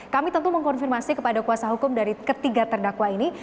kami tentu mengkonfirmasi kepada kuasa hukum dari ketiga terdakwa ini